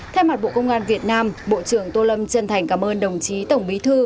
thay mặt bộ công an việt nam bộ trưởng tô lâm chân thành cảm ơn đồng chí tổng bí thư